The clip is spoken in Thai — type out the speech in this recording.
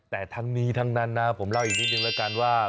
แต่ทั้งนี้ทั้งนั้นนะผมเล่าอีกนิดนึงแล้วกันว่า